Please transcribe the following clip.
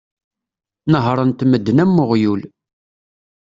Nehhren-t medden am uɣyul.